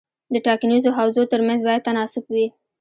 د ټاکنیزو حوزو ترمنځ باید تناسب وي.